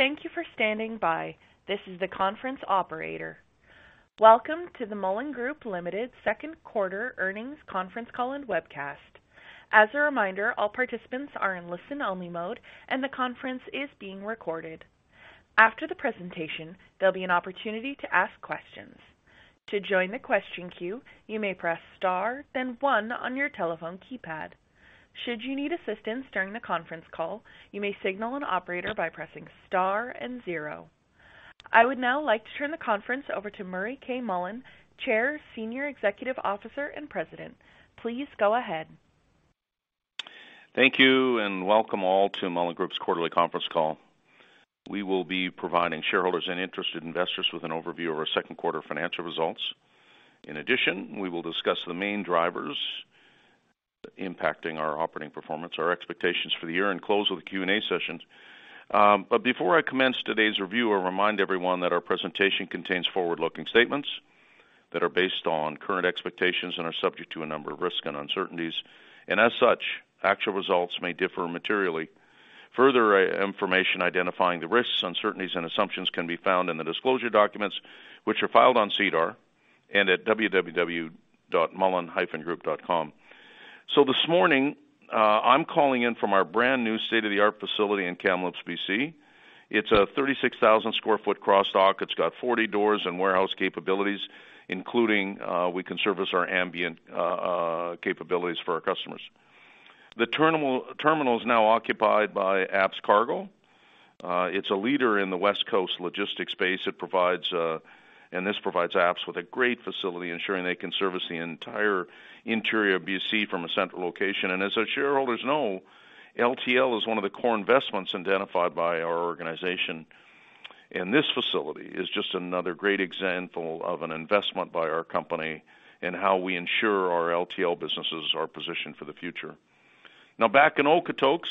Thank you for standing by. This is the conference operator. Welcome to the Mullen Group Ltd. Second Quarter Earnings Conference Call and Webcast. As a reminder, all participants are in listen-only mode, and the conference is being recorded. After the presentation, there'll be an opportunity to ask questions. To join the question queue, you may press star, then one on your telephone keypad. Should you need assistance during the conference call, you may signal an operator by pressing star and zero. I would now like to turn the conference over to Murray K. Mullen, Chair, Senior Executive Officer, and President. Please go ahead. Thank you, and welcome all to Mullen Group's quarterly conference call. We will be providing shareholders and interested investors with an overview of our second quarter financial results. In addition, we will discuss the main drivers impacting our operating performance, our expectations for the year, and close with a Q&A session. Before I commence today's review, I'll remind everyone that our presentation contains forward-looking statements that are based on current expectations and are subject to a number of risks and uncertainties, and as such, actual results may differ materially. Further, information identifying the risks, uncertainties, and assumptions can be found in the disclosure documents, which are filed on SEDAR and at www.mullen-group.com. This morning, I'm calling in from our brand-new state-of-the-art facility in Kamloops, BC. It's a 36,000 sq ft cross-dock. It's got 40 doors and warehouse capabilities, including, we can service our ambient capabilities for our customers. The terminal is now occupied by APPS Cargo. It's a leader in the West Coast logistics space. It provides APPS with a great facility, ensuring they can service the entire interior of BC from a central location. As our shareholders know, LTL is one of the core investments identified by our organization, and this facility is just another great example of an investment by our company and how we ensure our LTL businesses are positioned for the future. Now, back in Okotoks,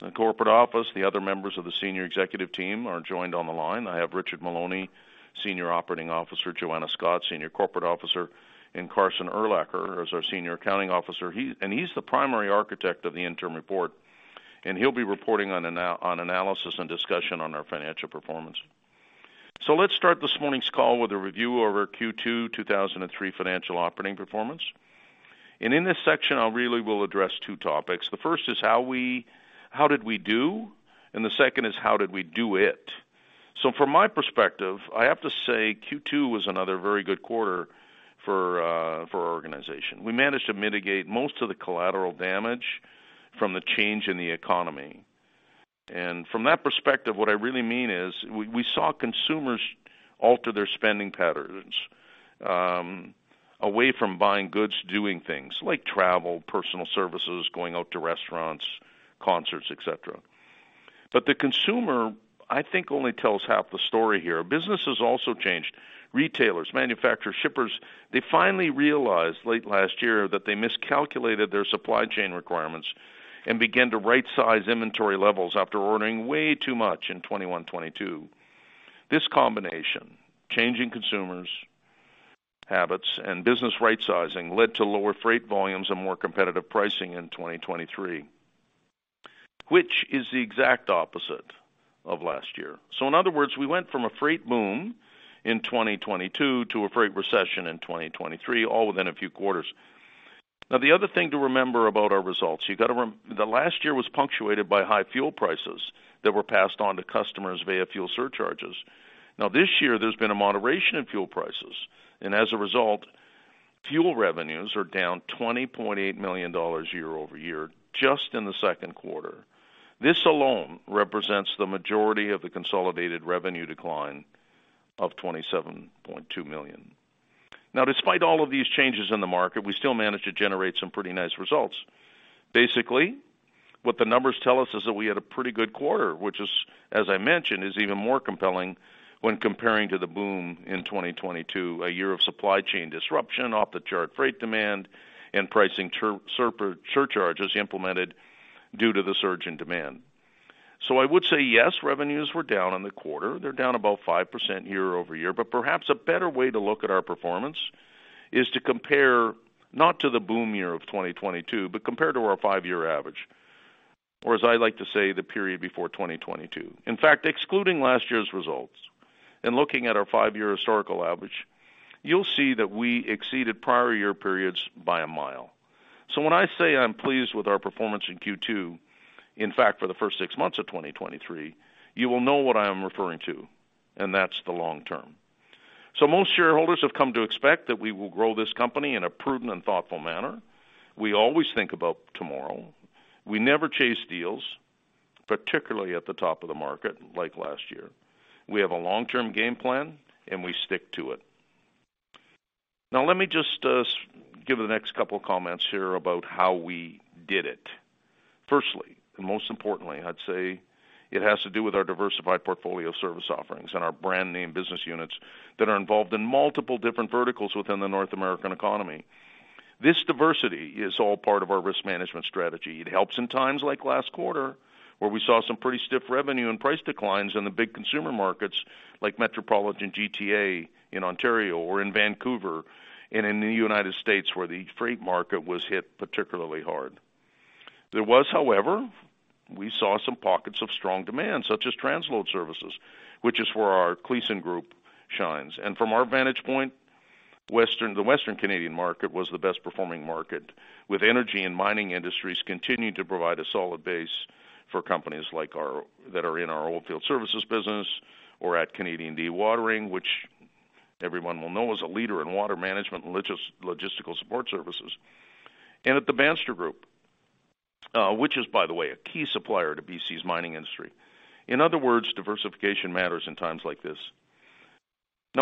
the corporate office, the other members of the senior executive team are joined on the line. I have Richard Maloney, Senior Operating Officer, Joanna Scott, Senior Corporate Officer, and Carson Urlacher, as our Senior Accounting Officer. And he's the primary architect of the interim report, and he'll be reporting on analysis and discussion on our financial performance. Let's start this morning's call with a review of our Q2 2023 financial operating performance. In this section, I really will address two topics. The first is how did we do, and the second is, how did we do it? From my perspective, I have to say Q2 was another very good quarter for our organization. We managed to mitigate most of the collateral damage from the change in the economy. From that perspective, what I really mean is, we saw consumers alter their spending patterns away from buying goods, doing things like travel, personal services, going out to restaurants, concerts, et cetera. The consumer, I think, only tells half the story here. Businesses also changed. Retailers, manufacturers, shippers, they finally realized late last year that they miscalculated their supply chain requirements and began to right-size inventory levels after ordering way too much in 2021, 2022. This combination, changing consumers' habits and business right-sizing, led to lower freight volumes and more competitive pricing in 2023, which is the exact opposite of last year. In other words, we went from a freight boom in 2022 to a freight recession in 2023, all within a few quarters. The other thing to remember about our results, you got to remember The last year was punctuated by high fuel prices that were passed on to customers via fuel surcharges. This year, there's been a moderation in fuel prices, and as a result, fuel revenues are down 20.8 million dollars year-over-year, just in the second quarter. This alone represents the majority of the consolidated revenue decline of 27.2 million. Despite all of these changes in the market, we still managed to generate some pretty nice results. Basically, what the numbers tell us is that we had a pretty good quarter, which is, as I mentioned, is even more compelling when comparing to the boom in 2022, a year of supply chain disruption, off-the-chart freight demand, and pricing surcharges implemented due to the surge in demand. I would say, yes, revenues were down on the quarter. They're down about 5% year-over-year, but perhaps a better way to look at our performance is to compare not to the boom year of 2022, but compare to our five-year average, or as I like to say, the period before 2022. In fact, excluding last year's results and looking at our five-year historical average, you'll see that we exceeded prior year periods by a mile. When I say I'm pleased with our performance in Q2, in fact, for the first six months of 2023, you will know what I am referring to, and that's the long term. Most shareholders have come to expect that we will grow this company in a prudent and thoughtful manner. We always think about tomorrow. We never chase deals, particularly at the top of the market, like last year. We have a long-term game plan, and we stick to it. Let me just give the next couple of comments here about how we did it. Firstly, and most importantly, I'd say it has to do with our diversified portfolio of service offerings and our brand name business units that are involved in multiple different verticals within the North American economy. This diversity is all part of our risk management strategy. It helps in times like last quarter, where we saw some pretty stiff revenue and price declines in the big consumer markets, like Metropolitan GTA in Ontario or in Vancouver and in the United States, where the freight market was hit particularly hard. There was, however, we saw some pockets of strong demand, such as transload services, which is where our Kleysen Group shines. From our vantage point, the Western Canadian market was the best performing market, with energy and mining industries continuing to provide a solid base for companies that are in our oilfield services business or at Canadian Dewatering, which everyone will know is a leader in water management and logistical support services, and at the Bandstra Group, which is, by the way, a key supplier to BC's mining industry. In other words, diversification matters in times like this.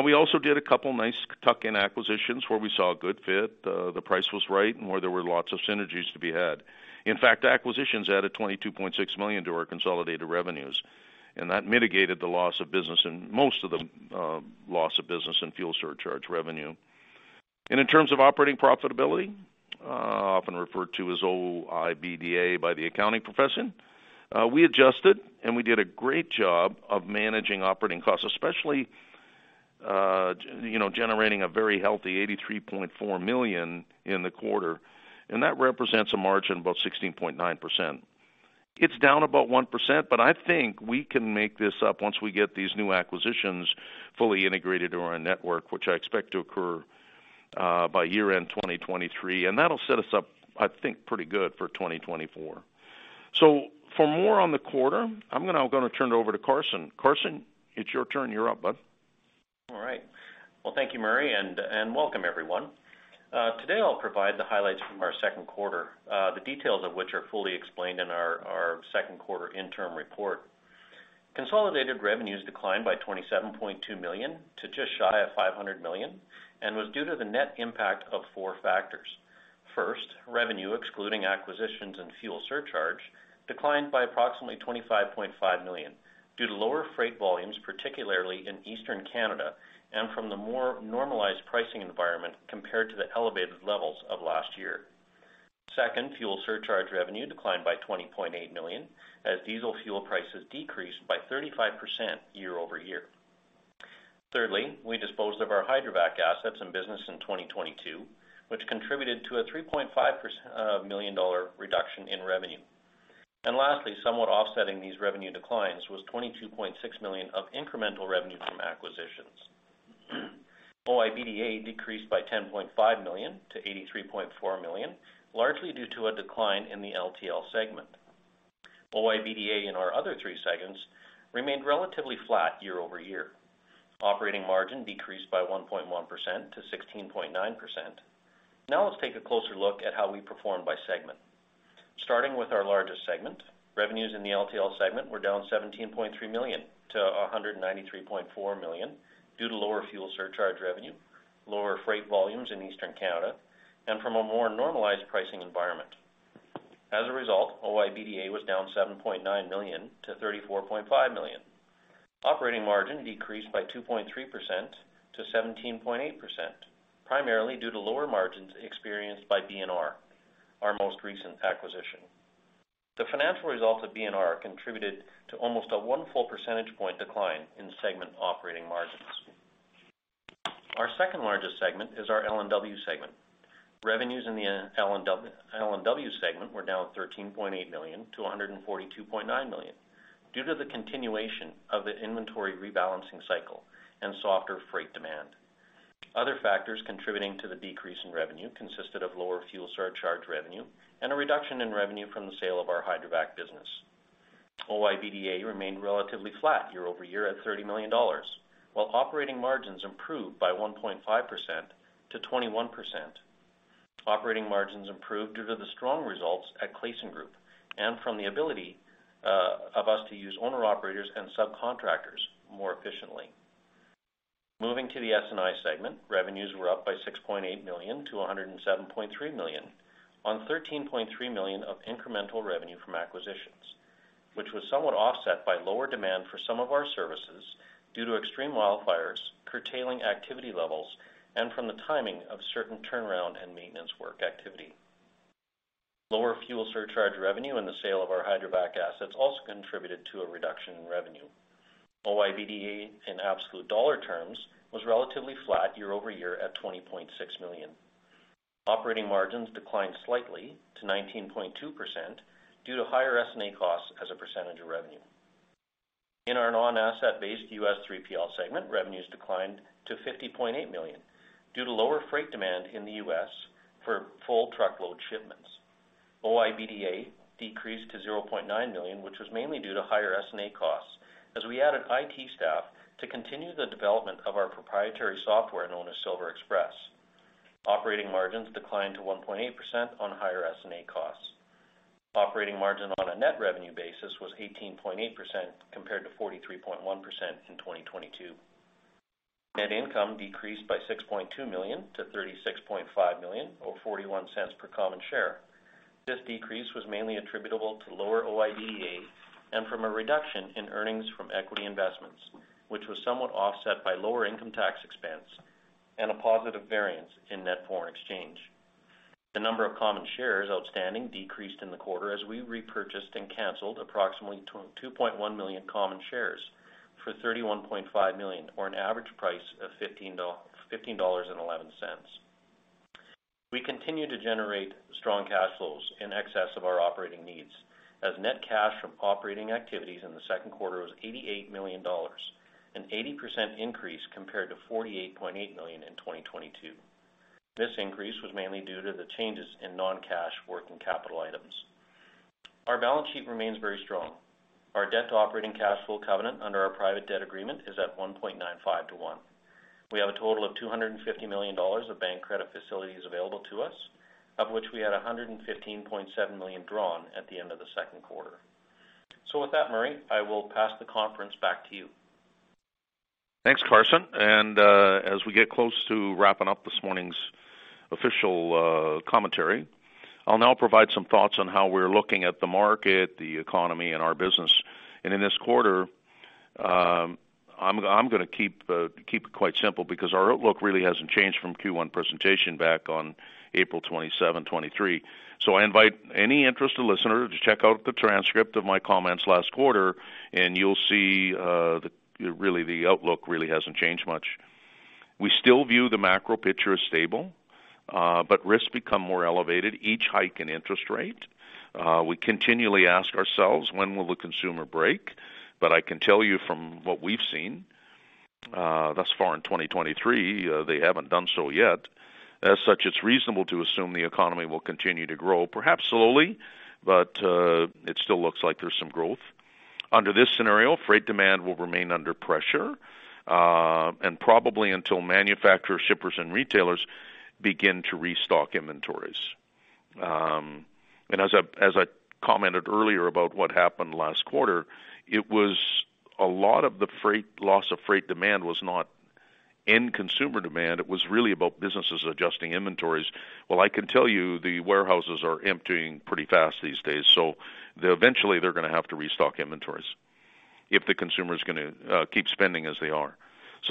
We also did a couple of nice tuck-in acquisitions where we saw a good fit, the price was right, and where there were lots of synergies to be had. In fact, acquisitions added 22.6 million to our consolidated revenues. That mitigated most of the loss of business in fuel surcharge revenue. In terms of operating profitability, often referred to as OIBDA by the accounting profession, we adjusted, and we did a great job of managing operating costs, especially, you know, generating a very healthy 83.4 million in the quarter. That represents a margin of about 16.9%. It's down about 1%, but I think we can make this up once we get these new acquisitions fully integrated into our network, which I expect to occur by year-end 2023, and that'll set us up, I think, pretty good for 2024. For more on the quarter, I'm gonna turn it over to Carson. Carson, it's your turn. You're up, buddy. All right. Well, thank you, Murray, and welcome, everyone. Today, I'll provide the highlights from our second quarter, the details of which are fully explained in our second quarter interim report. Consolidated revenues declined by 27.2 million to just shy of 500 million, and was due to the net impact of four factors. First, revenue, excluding acquisitions and fuel surcharge, declined by approximately 25.5 million due to lower freight volumes, particularly in Eastern Canada, and from the more normalized pricing environment compared to the elevated levels of last year. Second, fuel surcharge revenue declined by 20.8 million, as diesel fuel prices decreased by 35% year-over-year. Thirdly, we disposed of our hydrovac assets and business in 2022, which contributed to a 3.5 million dollar reduction in revenue. Lastly, somewhat offsetting these revenue declines was 22.6 million of incremental revenue from acquisitions. OIBDA decreased by 10.5 million to 83.4 million, largely due to a decline in the LTL segment. OIBDA in our other three segments remained relatively flat year-over-year. Operating margin decreased by 1.1% to 16.9%. Let's take a closer look at how we performed by segment. Starting with our largest segment, revenues in the LTL segment were down 17.3 million to 193.4 million due to lower fuel surcharge revenue, lower freight volumes in Eastern Canada, and from a more normalized pricing environment. As a result, OIBDA was down 7.9 million to 34.5 million. Operating margin decreased by 2.3% to 17.8%, primarily due to lower margins experienced by B&R, our most recent acquisition. The financial results of B&R contributed to almost a 1 full percentage point decline in segment operating margins. Our second-largest segment is our L&W segment. Revenues in the L&W segment were down 13.8 million to 142.9 million due to the continuation of the inventory rebalancing cycle and softer freight demand. Other factors contributing to the decrease in revenue consisted of lower fuel surcharge revenue and a reduction in revenue from the sale of our hydrovac business. OIBDA remained relatively flat year-over-year at 30 million dollars, while operating margins improved by 1.5% to 21%. Operating margins improved due to the strong results at Kleysen Group and from the ability of us to use owner-operators and subcontractors more efficiently. Moving to the S&I segment, revenues were up by 6.8 million to 107.3 million, on 13.3 million of incremental revenue from acquisitions, which was somewhat offset by lower demand for some of our services due to extreme wildfires, curtailing activity levels, and from the timing of certain turnaround and maintenance work activity. Lower fuel surcharge revenue and the sale of our hydrovac assets also contributed to a reduction in revenue. OIBDA, in absolute dollar terms, was relatively flat year-over-year at 20.6 million. Operating margins declined slightly to 19.2% due to higher S&A costs as a percentage of revenue. In our non-asset-based U.S. 3PL segment, revenues declined to $50.8 million due to lower freight demand in the U.S. for full truckload shipments. OIBDA decreased to $0.9 million, which was mainly due to higher S&A costs, as we added IT staff to continue the development of our proprietary software, known as SilverExpress. Operating margins declined to 1.8% on higher S&A costs. Operating margin on a net revenue basis was 18.8%, compared to 43.1% in 2022. Net income decreased by 6.2 million to 36.5 million, or 0.41 per common share. This decrease was mainly attributable to lower OIBDA and from a reduction in earnings from equity investments, which was somewhat offset by lower income tax expense and a positive variance in net foreign exchange. The number of common shares outstanding decreased in the quarter as we repurchased and canceled approximately 2.1 million common shares for 31.5 million, or an average price of 15.11 dollars. We continue to generate strong cash flows in excess of our operating needs, as net cash from operating activities in the second quarter was 88 million dollars, an 80% increase compared to 48.8 million in 2022. This increase was mainly due to the changes in non-cash working capital items. Our balance sheet remains very strong. Our debt to operating cash flow covenant under our private debt agreement is at 1.95 to 1. We have a total of $250 million of bank credit facilities available to us, of which we had $115.7 million drawn at the end of the second quarter. With that, Murray, I will pass the conference back to you. Thanks, Carson. As we get close to wrapping up this morning's official commentary, I'll now provide some thoughts on how we're looking at the market, the economy, and our business. In this quarter, I'm gonna keep it quite simple, because our outlook really hasn't changed from Q1 presentation back on April 27th, 2023. I invite any interested listener to check out the transcript of my comments last quarter, and you'll see that really, the outlook really hasn't changed much. We still view the macro picture as stable, but risks become more elevated each hike in interest rate. We continually ask ourselves, when will the consumer break? I can tell you from what we've seen thus far in 2023, they haven't done so yet. As such, it's reasonable to assume the economy will continue to grow, perhaps slowly, but it still looks like there's some growth. Under this scenario, freight demand will remain under pressure and probably until manufacturers, shippers, and retailers begin to restock inventories. As I commented earlier about what happened last quarter, it was a lot of the loss of freight demand was not in consumer demand. It was really about businesses adjusting inventories. I can tell you, the warehouses are emptying pretty fast these days. Eventually they're going to have to restock inventories if the consumer's gonna keep spending as they are.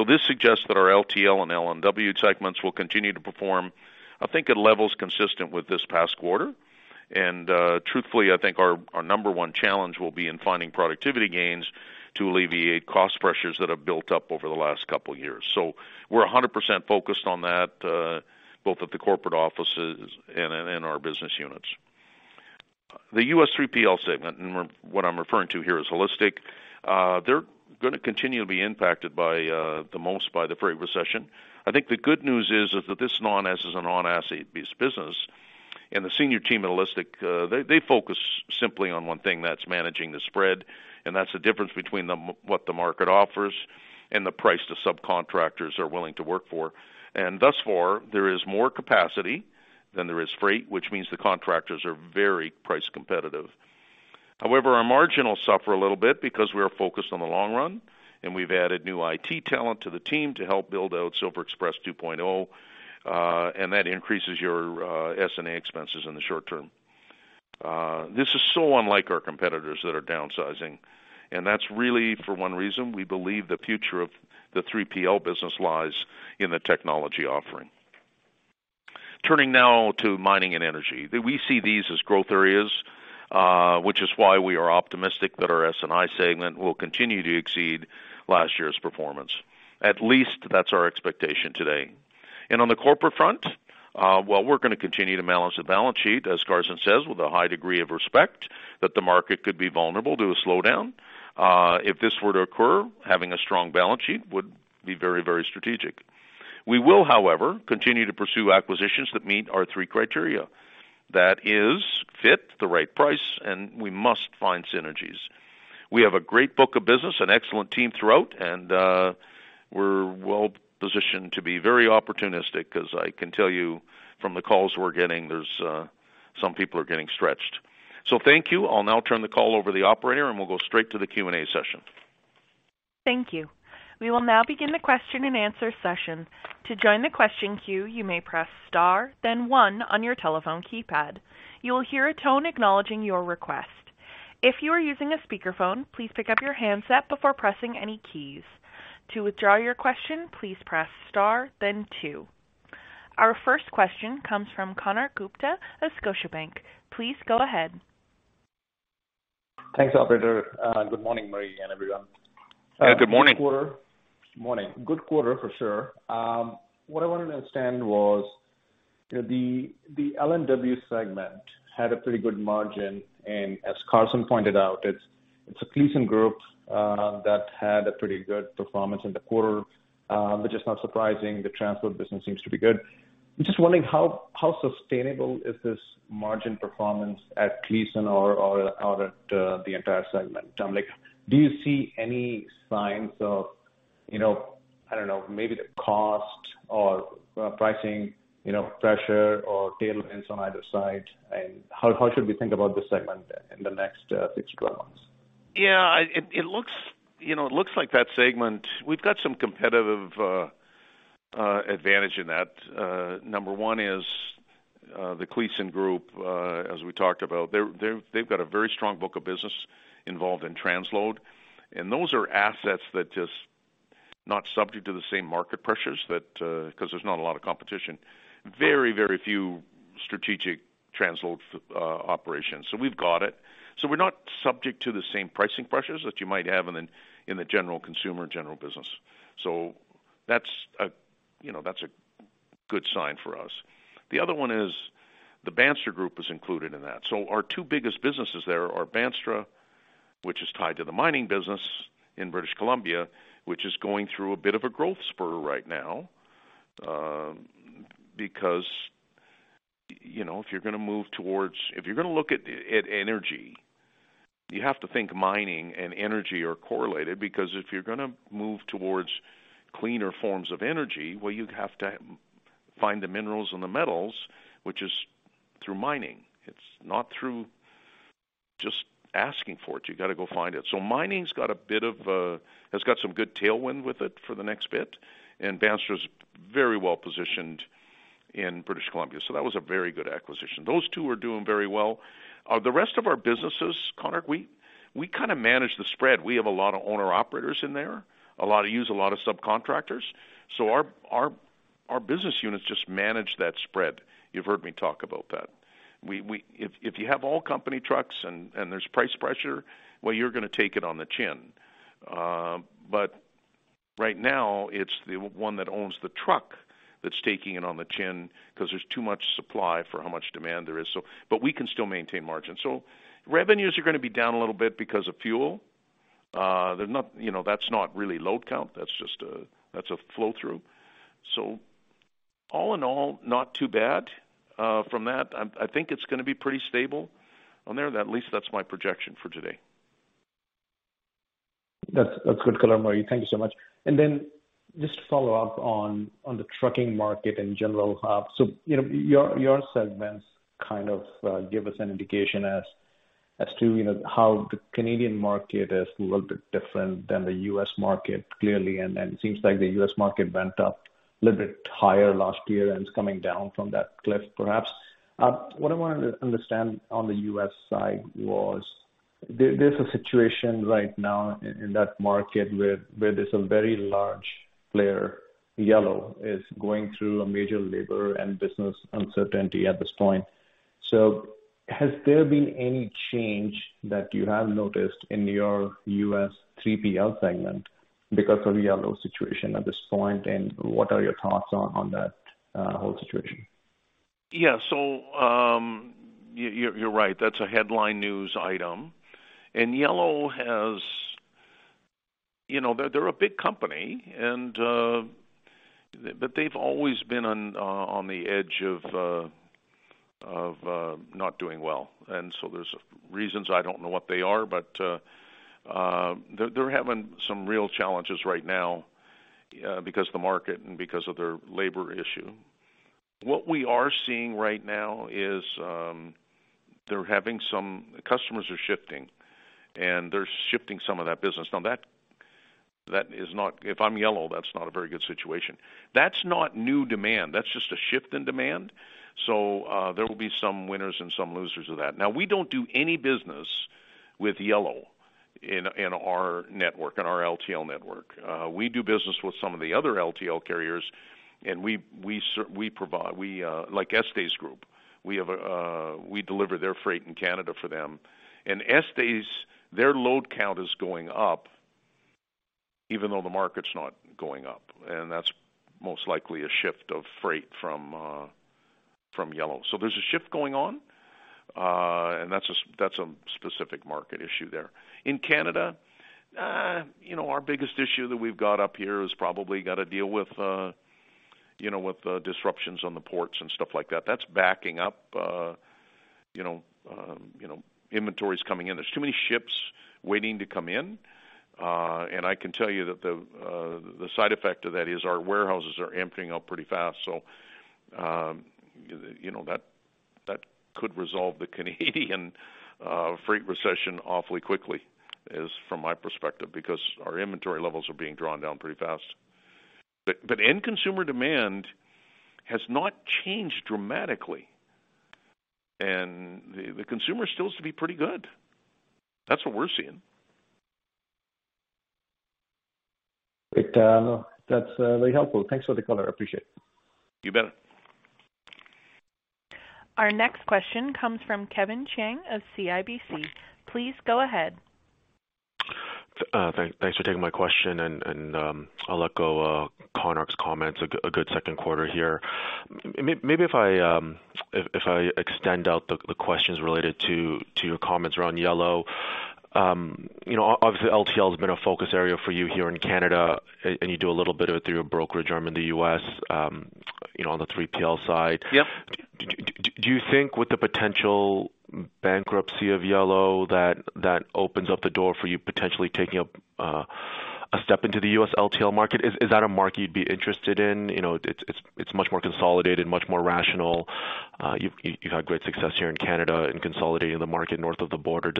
This suggests that our LTL and LMW segments will continue to perform, I think, at levels consistent with this past quarter. Truthfully, I think our number one challenge will be in finding productivity gains to alleviate cost pressures that have built up over the last couple years. We're 100% focused on that, both at the corporate offices and in our business units. The U.S. 3PL segment, and what I'm referring to here is Holistic. They're going to continue to be impacted by the most by the freight recession. I think the good news is that this is a non-asset and non-asset-based business, and the senior team at Holistic, they focus simply on one thing, that's managing the spread, and that's the difference between what the market offers and the price the subcontractors are willing to work for. Thus far, there is more capacity than there is freight, which means the contractors are very price competitive. However, our margin will suffer a little bit because we are focused on the long run, and we've added new IT talent to the team to help build out SilverExpress 2.0, and that increases your S&A expenses in the short term. This is so unlike our competitors that are downsizing, and that's really for one reason. We believe the future of the 3PL business lies in the technology offering. Turning now to mining and energy. We see these as growth areas, which is why we are optimistic that our S&I segment will continue to exceed last year's performance. At least that's our expectation today. On the corporate front, well, we're going to continue to balance the balance sheet, as Carson says, with a high degree of respect, that the market could be vulnerable to a slowdown. If this were to occur, having a strong balance sheet would be very, very strategic. We will, however, continue to pursue acquisitions that meet our three criteria. That is, fit, the right price, and we must find synergies. We have a great book of business, an excellent team throughout, and we're well positioned to be very opportunistic, because I can tell you from the calls we're getting, there's some people are getting stretched. Thank you. I'll now turn the call over to the operator, and we'll go straight to the Q&A session. Thank you. We will now begin the question and answer session. To join the question queue, you may press star, then one on your telephone keypad. You will hear a tone acknowledging your request. If you are using a speakerphone, please pick up your handset before pressing any keys. To withdraw your question, please press star, then two. Our first question comes from Konark Gupta of Scotiabank. Please go ahead. Thanks, operator. Good morning, Murray, and everyone. Good morning. Morning. Good quarter for sure. What I wanted to understand was, you know, the L&W segment had a pretty good margin, and as Carson pointed out, it's a Kleysen Group that had a pretty good performance in the quarter. Which is not surprising. The transport business seems to be good. I'm just wondering, how sustainable is this margin performance at Kleysen or at the entire segment? Like, do you see any signs of, you know, I don't know, maybe the cost or pricing, you know, pressure or tailwinds on either side? How should we think about this segment in the next six to 12 months? Yeah, it looks, you know, it looks like that segment, we've got some competitive advantage in that. Number one is the Kleysen Group, as we talked about, they've got a very strong book of business involved in transload, and those are assets that not subject to the same market pressures that because there's not a lot of competition. Very few strategic transload operations. We've got it. We're not subject to the same pricing pressures that you might have in the, in the general consumer, general business. That's a, you know, that's a good sign for us. The other one is the Bandstra Group is included in that. Our two biggest businesses there are Bandstra, which is tied to the mining business in British Columbia, which is going through a bit of a growth spur right now, because, you know, if you're going to move towards if you're going to look at energy, you have to think mining and energy are correlated, because if you're going to move towards cleaner forms of energy, well, you'd have to find the minerals and the metals, which is through mining. It's not through just asking for it. You got to go find it. Mining's got a bit of a, has got some good tailwind with it for the next bit, and Bandstra is very well positioned in British Columbia, so that was a very good acquisition. Those two are doing very well. The rest of our businesses, Konark, we kind of manage the spread. We have a lot of owner-operators in there, use a lot of subcontractors. Our business units just manage that spread. You've heard me talk about that. If you have all company trucks and there's price pressure, well, you're going to take it on the chin. Right now, it's the one that owns the truck that's taking it on the chin because there's too much supply for how much demand there is. We can still maintain margins. Revenues are going to be down a little bit because of fuel. They're not, you know, that's not really load count. That's just a flow through. All in all, not too bad. From that, I think it's going to be pretty stable on there. At least that's my projection for today. That's good color, Murray. Thank you so much. Just to follow up on the trucking market in general. You know, your segments kind of give us an indication as to, you know, how the Canadian market is a little bit different than the U.S. market, clearly, and it seems like the U.S. market went up a little bit higher last year, and it's coming down from that cliff, perhaps. What I wanted to understand on the U.S. side was, there's a situation right now in that market where there's a very large player, Yellow, is going through a major labor and business uncertainty at this point. Has there been any change that you have noticed in your U.S. 3PL segment because of the Yellow situation at this point, and what are your thoughts on that whole situation? You're, you're right. That's a headline news item, and Yellow has... You know, they're a big company, and, but they've always been on the edge of not doing well. There's reasons. I don't know what they are, but they're having some real challenges right now because of the market and because of their labor issue. What we are seeing right now is, customers are shifting, and they're shifting some of that business. That, that is not if I'm Yellow, that's not a very good situation. That's not new demand. That's just a shift in demand. There will be some winners and some losers of that. We don't do any business with Yellow in our network, in our LTL network. We do business with some of the other LTL carriers, and we provide, like Estes Group, we have a, we deliver their freight in Canada for them. Estes, their load count is going up even though the market's not going up, and that's most likely a shift of freight from Yellow. There's a shift going on, and that's a, that's a specific market issue there. In Canada, you know, our biggest issue that we've got up here is probably got to deal with, you know, with disruptions on the ports and stuff like that. That's backing up, you know, inventories coming in. There's too many ships waiting to come in. I can tell you that the side effect of that is our warehouses are amping up pretty fast. You know, that could resolve the Canadian freight recession awfully quickly, is from my perspective, because our inventory levels are being drawn down pretty fast. End consumer demand has not changed dramatically, the consumer still seems to be pretty good. That's what we're seeing. Great. That's very helpful. Thanks for the color. I appreciate it. You bet. Our next question comes from Kevin Chiang of CIBC World Markets. Please go ahead. Thanks for taking my question, and I'll let go of Conor's comments. A good second quarter here. Maybe if I extend out the questions related to your comments around Yellow. You know, obviously, LTL has been a focus area for you here in Canada, and you do a little bit of it through your brokerage arm in the U.S., you know, on the 3PL side. Yep. Do you think with the potential bankruptcy of Yellow, that that opens up the door for you potentially taking a step into the U.S. LTL market? Is that a market you'd be interested in? You know, it's much more consolidated, much more rational. You've had great success here in Canada in consolidating the market north of the border.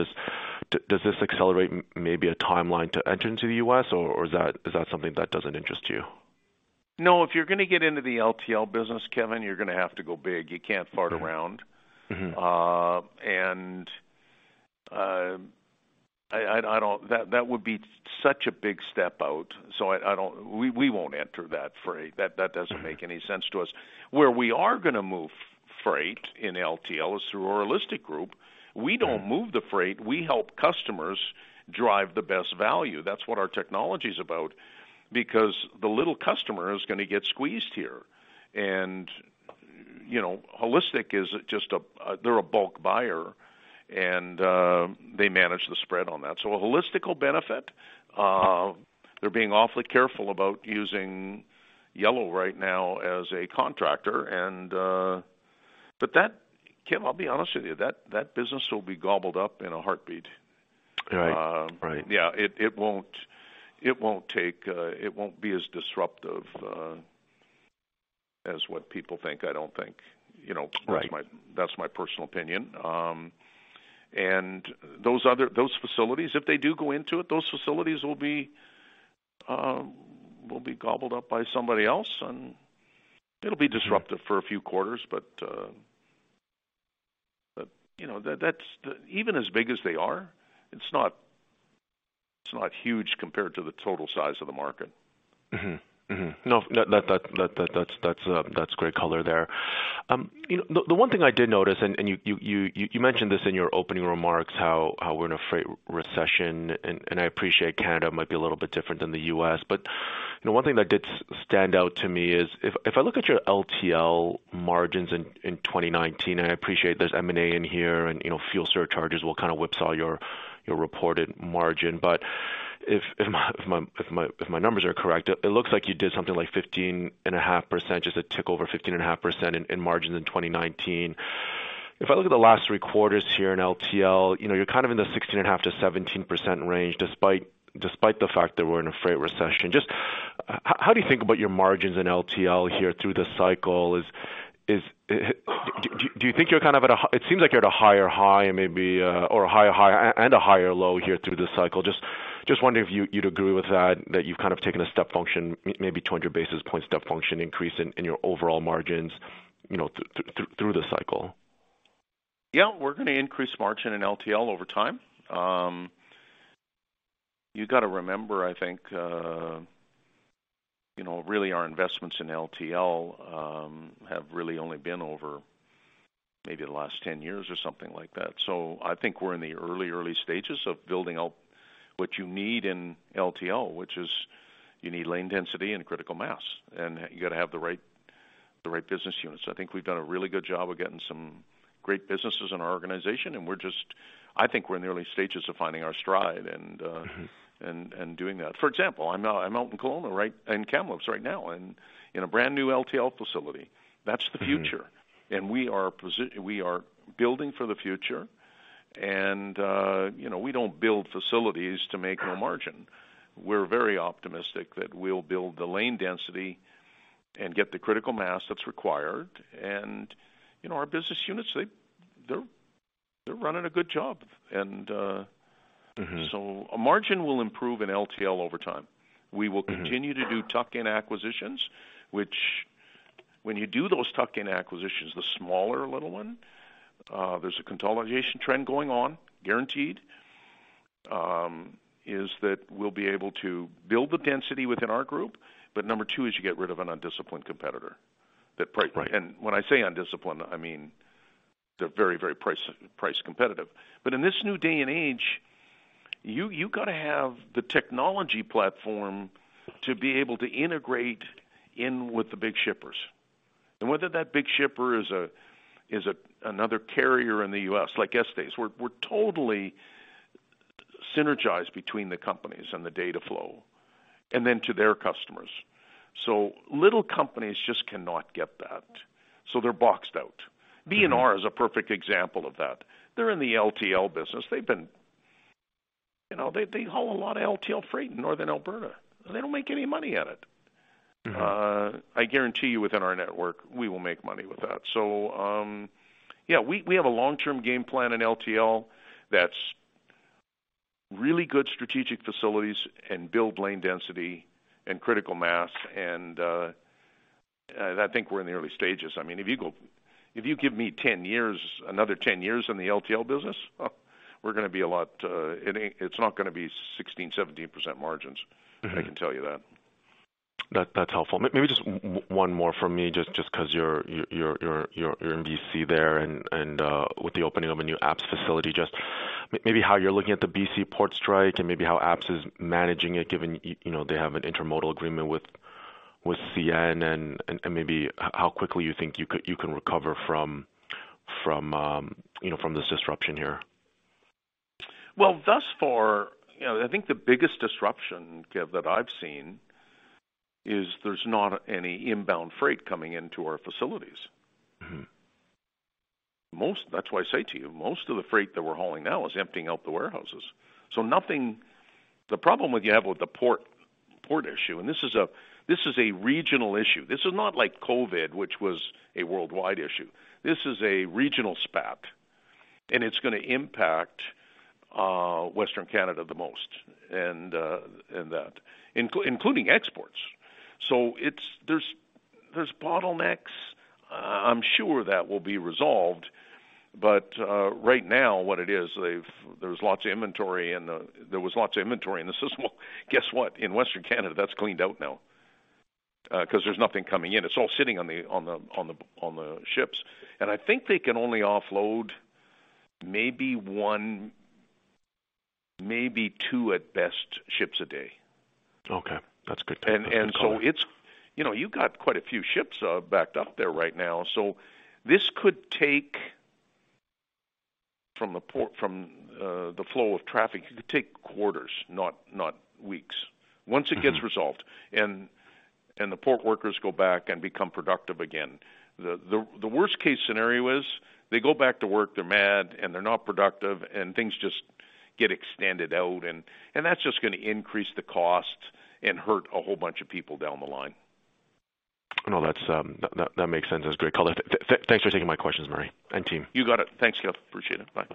Does this accelerate maybe a timeline to enter into the U.S., or is that something that doesn't interest you? No. If you're going to get into the LTL business, Kevin, you're going to have to go big. You can't fart around. That, that would be such a big step out, so We, we won't enter that freight. That, that doesn't make any sense to us. Where we are gonna move freight in LTL is through our Holistic Group. We don't move the freight. We help customers drive the best value. That's what our technology's about, because the little customer is gonna get squeezed here. you know, Holistic is just a, they're a bulk buyer, and they manage the spread on that. Holistic will benefit. They're being awfully careful about using Yellow right now as a contractor. That, Kevin, I'll be honest with you, that business will be gobbled up in a heartbeat. Right. Right. yeah. It won't take, it won't be as disruptive as what people think, I don't think. You know. Right. That's my, that's my personal opinion. Those other, those facilities, if they do go into it, those facilities will be gobbled up by somebody else, and it'll be disruptive for a few quarters, but, you know, that's. Even as big as they are, it's not huge compared to the total size of the market. That's great color there. You know, the one thing I did notice, you mentioned this in your opening remarks, how we're in a freight recession. I appreciate Canada might be a little bit different than the U.S., but the one thing that did stand out to me is if I look at your LTL margins in 2019. I appreciate there's M&A in here, and, you know, fuel surcharges will kind of whipsaw your reported margin. If my numbers are correct, it looks like you did something like 15.5%, just a tick over 15.5% in margins in 2019. If I look at the last three quarters here in LTL, you know, you're kind of in the 16.5% to 17% range, despite the fact that we're in a freight recession. Just how do you think about your margins in LTL here through the cycle? Is, do you think you're kind of at a It seems like you're at a higher high maybe, or a higher high and a higher low here through this cycle. Just wondering if you'd agree with that you've kind of taken a step function, maybe 200 basis point step function increase in your overall margins, you know, through the cycle? Yeah. We're gonna increase margin in LTL over time. You've got to remember, I think, you know, really our investments in LTL have really only been over maybe the last 10 years or something like that. I think we're in the early stages of building out what you need in LTL, which is you need lane density and critical mass, and you got to have the right business units. I think we've done a really good job of getting some great businesses in our organization, and I think we're in the early stages of finding our stride. Doing that. For example, I'm out in Kelowna, right, in Kamloops right now, in a brand-new LTL facility. That's the future, and we are building for the future and, you know, we don't build facilities to make no margin. We're very optimistic that we'll build the lane density and get the critical mass that's required. You know, our business units, they're running a good job. Margin will improve in LTL over time. We will continue to do tuck-in acquisitions, which when you do those tuck-in acquisitions, the smaller little one, there's a consolidation trend going on, guaranteed. Is that we'll be able to build the density within our group, but number two is you get rid of an undisciplined competitor. Right. When I say undisciplined, I mean, they're very price competitive. In this new day and age, you got to have the technology platform to be able to integrate in with the big shippers. Whether that big shipper is a another carrier in the U.S., like Estes, we're totally synergized between the companies and the data flow, and then to their customers. Little companies just cannot get that, so they're boxed out. B&R is a perfect example of that. They're in the LTL business. You know, they haul a lot of LTL freight in northern Alberta, and they don't make any money at it. I guarantee you, within our network, we will make money with that. Yeah, we have a long-term game plan in LTL that's really good strategic facilities and build lane density and critical mass, and I think we're in the early stages. I mean, if you give me 10 years, another 10 years in the LTL business, we're gonna be a lot. It's not gonna be 16%, 17% margins. I can tell you that. That's helpful. Maybe just one more for me, just 'cause you're in BC there and with the opening of a new Apps facility, just maybe how you're looking at the BC port strike and maybe how Apps is managing it, given, you know, they have an intermodal agreement with CN, and maybe how quickly you think you can recover from, you know, from this disruption here? Well, thus far, you know, I think the biggest disruption, Kev, that I've seen is there's not any inbound freight coming into our facilities. That's why I say to you, most of the freight that we're hauling now is emptying out the warehouses. The problem you have with the port issue, and this is a regional issue. This is not like COVID, which was a worldwide issue. This is a regional spat, it's gonna impact Western Canada the most, including exports. There's bottlenecks. I'm sure that will be resolved, right now, what it is, there's lots of inventory, there was lots of inventory in the system. Guess what? In Western Canada, that's cleaned out now, 'cause there's nothing coming in. It's all sitting on the ships, I think they can only offload maybe one, maybe two, at best, ships a day. Okay, that's good to know. It's, you know, you got quite a few ships, backed up there right now, so this could take, from the port, from the flow of traffic, it could take quarters, not weeks. Once it gets resolved, and the port workers go back and become productive again. The worst-case scenario is they go back to work, they're mad, and they're not productive, and things just get extended out, and that's just gonna increase the cost and hurt a whole bunch of people down the line. No, that makes sense. That's a great color. Thanks for taking my questions, Murray and team. You got it. Thanks, Keith. Appreciate it. Bye.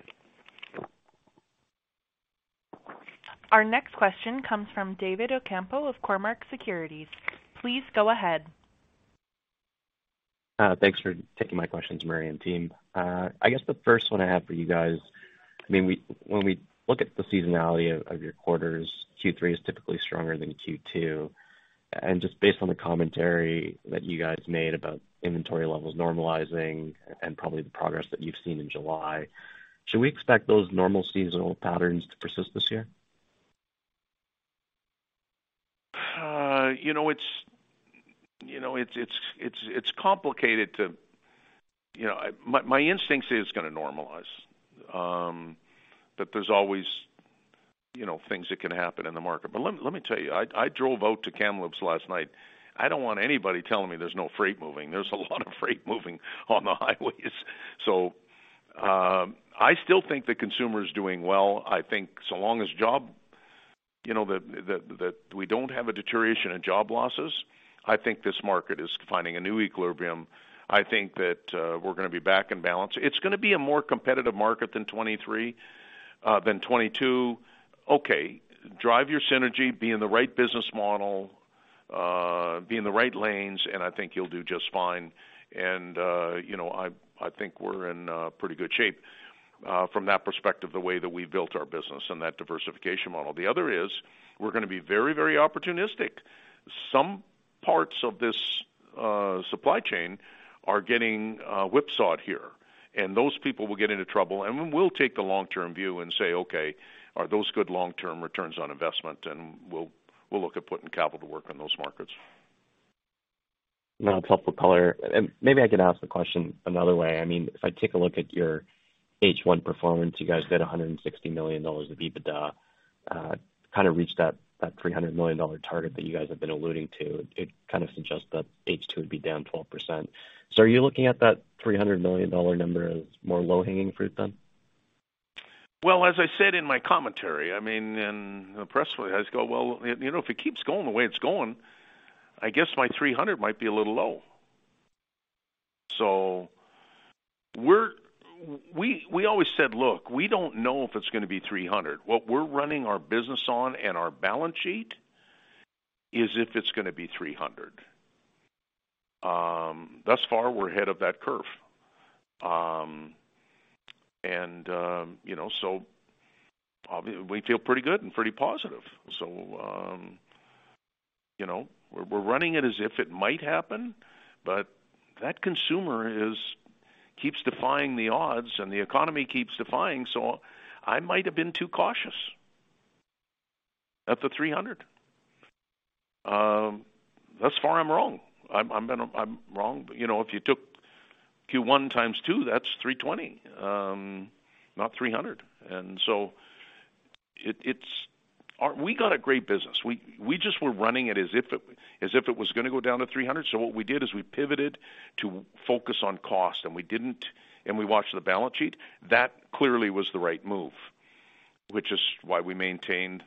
Our next question comes from David Ocampo of Cormark Securities. Please go ahead. Thanks for taking my questions, Murray and team. I guess the first one I have for you guys, I mean, when we look at the seasonality of your quarters, Q3 is typically stronger than Q2. Just based on the commentary that you guys made about inventory levels normalizing and probably the progress that you've seen in July, should we expect those normal seasonal patterns to persist this year? You know, it's complicated. You know, my instinct is it's gonna normalize. There's always, you know, things that can happen in the market. Let me tell you, I drove out to Kamloops last night. I don't want anybody telling me there's no freight moving. There's a lot of freight moving on the highways. I still think the consumer is doing well. I think so long as job, you know, that we don't have a deterioration in job losses, I think this market is finding a new equilibrium. I think that we're gonna be back in balance. It's gonna be a more competitive market than 2023, than 2022. Okay, drive your synergy, be in the right business model, be in the right lanes, and I think you'll do just fine. You know, I think we're in pretty good shape from that perspective, the way that we've built our business and that diversification model. The other is, we're gonna be very, very opportunistic. Some parts of this supply chain are getting whipsawed here, and those people will get into trouble, and we'll take the long-term view and say: Okay, are those good long-term returns on investment? We'll look at putting capital to work on those markets. No, that's helpful color. Maybe I can ask the question another way. I mean, if I take a look at your H1 performance, you guys did 160 million dollars of EBITDA, kind of reached that 300 million dollar target that you guys have been alluding to. It kind of suggests that H2 would be down 12%. Are you looking at that 300 million dollar number as more low-hanging fruit, then? Well, as I said in my commentary, I mean, in the press, I go, "Well, you know, if it keeps going the way it's going, I guess my 300 might be a little low." We always said: Look, we don't know if it's gonna be 300. What we're running our business on and our balance sheet is if it's gonna be 300. Thus far, we're ahead of that curve. You know, we feel pretty good and pretty positive. You know, we're running it as if it might happen, but that consumer is, keeps defying the odds, and the economy keeps defying, so I might have been too cautious at the 300. Thus far, I'm wrong. I'm wrong. You know, if you took Q1 times two, that's 320, not 300. We got a great business. We just were running it as if it was gonna go down to 300, so what we did is we pivoted to focus on cost, and we watched the balance sheet. That clearly was the right move, which is why we maintained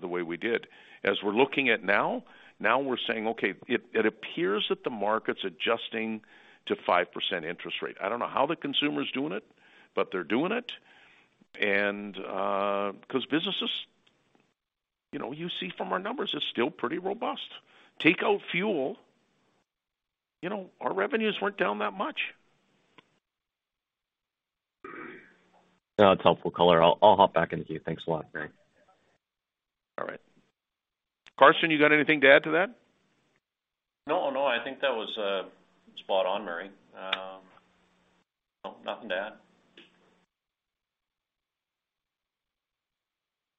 the way we did. As we're looking at now, we're saying: Okay, it appears that the market's adjusting to 5% interest rate. I don't know how the consumer's doing it, but they're doing it. 'Cause businesses, you know, you see from our numbers, it's still pretty robust. Take out fuel, you know, our revenues weren't down that much. No, it's helpful color. I'll hop back into you. Thanks a lot, Murray. All right. Carson, you got anything to add to that? No, no. I think that was spot on, Murray. No, nothing to add.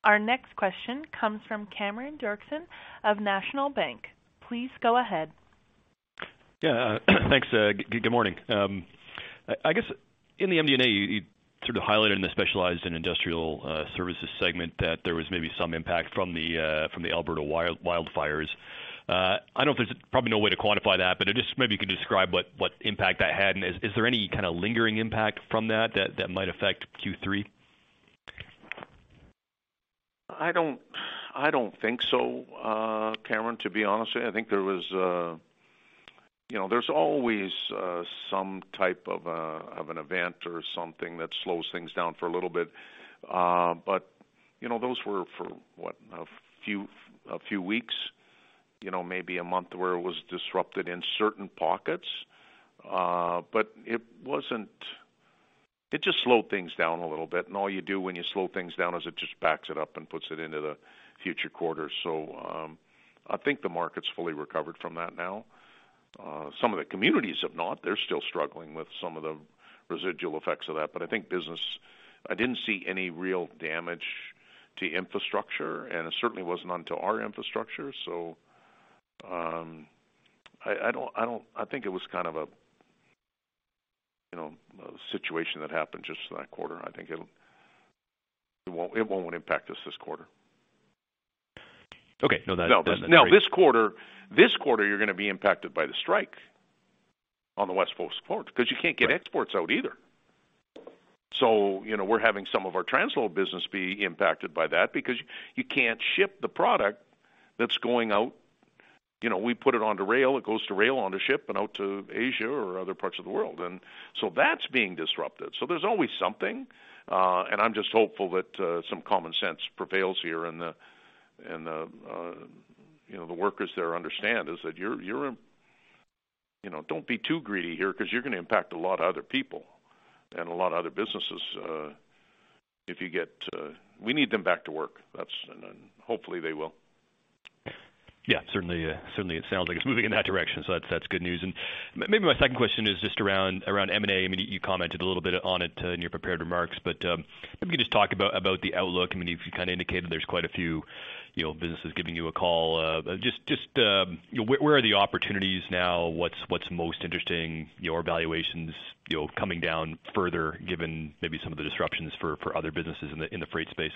Our next question comes from Cameron Doerksen of National Bank. Please go ahead. Yeah, thanks. good morning. I guess in the MD&A, you sort of highlighted in the specialized and industrial services segment that there was maybe some impact from the Alberta wildfires. I don't know if there's probably no way to quantify that, but just maybe you could describe what impact that had, and is there any kind of lingering impact from that might affect Q3? I don't think so, Cameron, to be honest with you. I think there was. You know, there's always some type of an event or something that slows things down for a little bit. You know, those were for what? A few weeks, you know, maybe a month, where it was disrupted in certain pockets. It just slowed things down a little bit, and all you do when you slow things down is it just backs it up and puts it into the future quarters. I think the market's fully recovered from that now. Some of the communities have not. They're still struggling with some of the residual effects of that, but I think business, I didn't see any real damage to infrastructure, and it certainly wasn't none to our infrastructure. I don't think it was kind of a, you know, a situation that happened just in that quarter. I think it won't impact us this quarter. Okay. No, that's great. This quarter, you're gonna be impacted by the strike on the West Coast port, because you can't get exports out either. You know, we're having some of our transload business be impacted by that because you can't ship the product that's going out. You know, we put it onto rail, it goes to rail, onto ship, and out to Asia or other parts of the world, that's being disrupted. There's always something, and I'm just hopeful that some common sense prevails here, and the, you know, the workers there understand is that you're, you know, don't be too greedy here because you're gonna impact a lot of other people and a lot of other businesses, if you get... We need them back to work. That's. Then hopefully they will. Yeah, certainly it sounds like it's moving in that direction, that's good news. Maybe my second question is just around M&A. I mean, you commented a little bit on it in your prepared remarks, maybe just talk about the outlook. I mean, you've kind of indicated there's quite a few, you know, businesses giving you a call. Just where are the opportunities now? What's most interesting? Are valuations, you know, coming down further, given maybe some of the disruptions for other businesses in the freight space?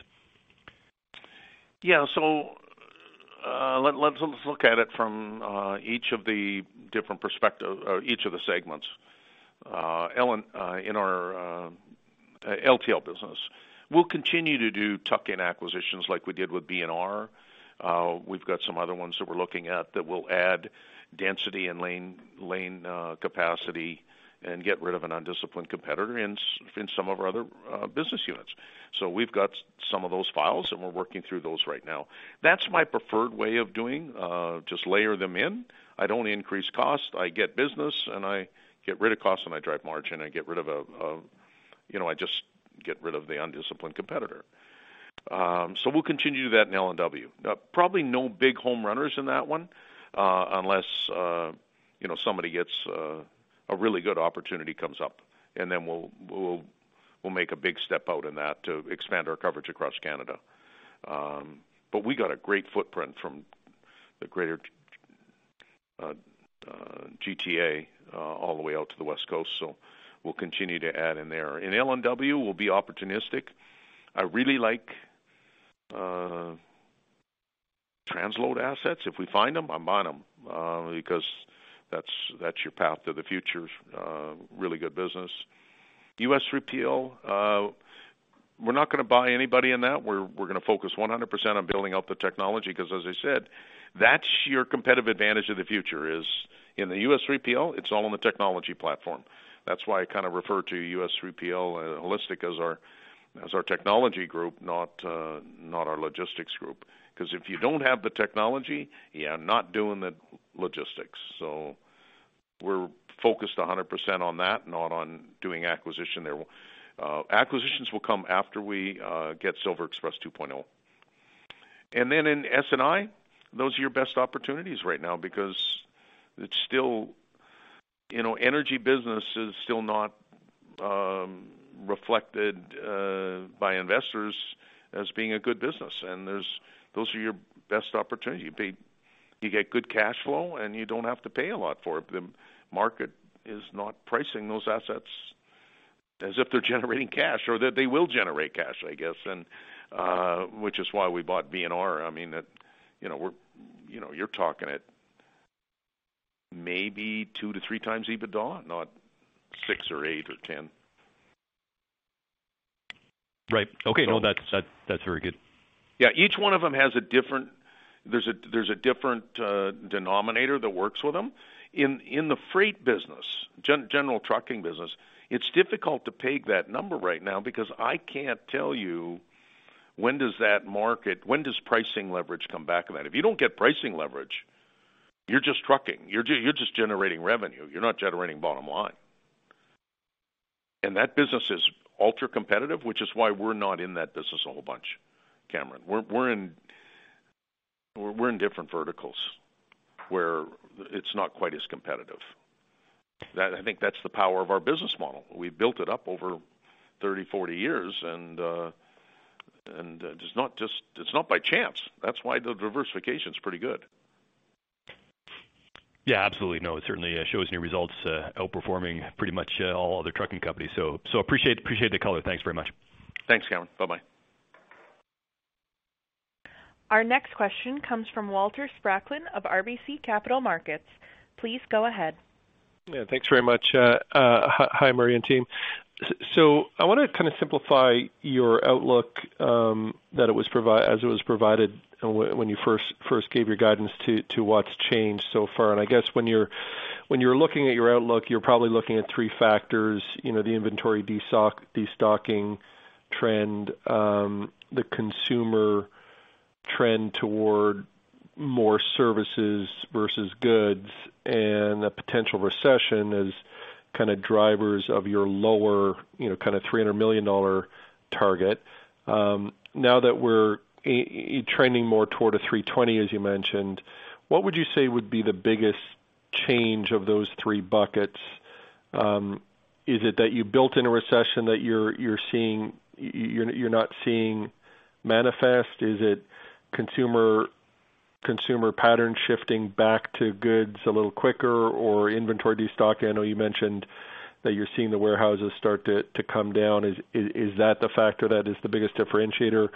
Yeah. Let's look at it from each of the different perspective, or each of the segments. In our LTL business, we'll continue to do tuck-in acquisitions like we did with BNR. We've got some other ones that we're looking at that will add density and lane capacity and get rid of an undisciplined competitor in some of our other business units. We've got some of those files, and we're working through those right now. That's my preferred way of doing, just layer them in. I'd only increase cost. I get business, and I get rid of cost, and I drive margin. I get rid of a, you know, I just get rid of the undisciplined competitor. We'll continue to do that in L&W. Probably no big homeruns in that one, unless, you know, somebody gets a really good opportunity comes up, and then we'll make a big step out in that to expand our coverage across Canada. We got a great footprint from the greater GTA all the way out to the West Coast, so we'll continue to add in there. In L&W, we'll be opportunistic. I really like transload assets. If we find them, I'm on them, because that's your path to the future. Really good business. U.S. 3PL, we're not gonna buy anybody in that. We're gonna focus 100% on building out the technology, because, as I said, that's your competitive advantage of the future, is in the U.S. 3PL, it's all on the technology platform. That's why I kind of refer to U.S. 3PL, Holistic as our, as our technology group, not our logistics group, because if you don't have the technology, you're not doing the logistics. We're focused 100% on that, not on doing acquisition there. Acquisitions will come after we get SilverExpress 2.0. In S&I, those are your best opportunities right now, because it's still... You know, energy business is still not reflected by investors as being a good business, and those are your best opportunities. You get good cash flow, and you don't have to pay a lot for it. The market is not pricing those assets as if they're generating cash or that they will generate cash, I guess, and which is why we bought B&R. I mean, that, you know, we're, you know, you're talking at maybe two to three times EBITDA, not six or eight or 10. Right. Okay. So- That's, that's very good. Yeah. Each one of them has a different, there's a different denominator that works with them. In the freight business, general trucking business, it's difficult to peg that number right now because I can't tell you, when does pricing leverage come back in that? If you don't get pricing leverage, you're just trucking. You're just generating revenue, you're not generating bottom line. That business is ultra-competitive, which is why we're not in that business a whole bunch, Cameron Doerksen. We're in different verticals where it's not quite as competitive. I think that's the power of our business model. We built it up over 30, 40 years, and it's not just, it's not by chance. That's why the diversification is pretty good. Yeah, absolutely. No, it certainly shows in your results, outperforming pretty much all other trucking companies. Appreciate the color. Thanks very much. Thanks, Cameron. Bye-bye. Our next question comes from Walter Spracklin of RBC Capital Markets. Please go ahead. Yeah, thanks very much. Hi, Murray and team. I want to kind of simplify your outlook that it was provided when you first gave your guidance to what's changed so far. I guess when you're looking at your outlook, you're probably looking at three factors. You know, the inventory destocking trend, the consumer trend toward more services versus goods, and a potential recession as kind of drivers of your lower, you know, kind of 300 million dollar target. Now that we're trending more toward a 320 million, as you mentioned, what would you say would be the biggest change of those three buckets? Is it that you built in a recession that you're not seeing manifest? Is it consumer pattern shifting back to goods a little quicker or inventory destocking? I know you mentioned that you're seeing the warehouses start to come down. Is that the factor that is the biggest differentiator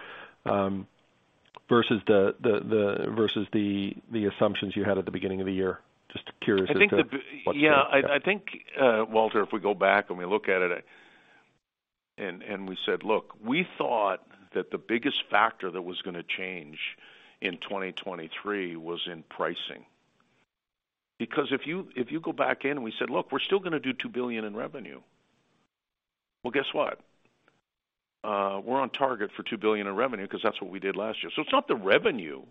versus the assumptions you had at the beginning of the year? Just curious as to what's? I think Walter, if we go back and we look at it, and we said, look, we thought that the biggest factor that was gonna change in 2023 was in pricing. Because if you go back in and we said, "Look, we're still gonna do 2 billion in revenue." Well, guess what? We're on target for 2 billion in revenue, because that's what we did last year. It's not the revenue,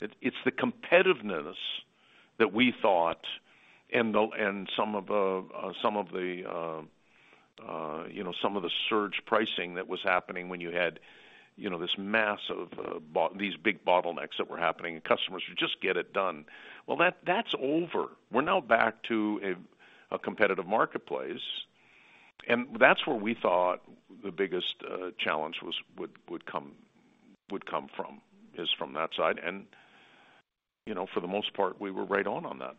it's the competitiveness that we thought, and some of the, you know, some of the surge pricing that was happening when you had, you know, this massive, these big bottlenecks that were happening, and customers would just get it done. Well, that's over. We're now back to a competitive marketplace, that's where we thought the biggest challenge was, would come from, is from that side. You know, for the most part, we were right on that.